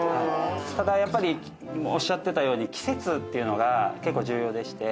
ただやっぱりおっしゃってたように季節っていうのが結構重要でして。